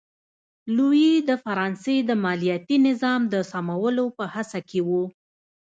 لويي د فرانسې د مالیاتي نظام د سمولو په هڅه کې و.